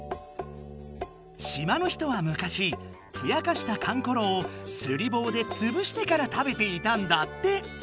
島の人は昔ふやかした「かんころ」をすりぼうでつぶしてから食べていたんだって！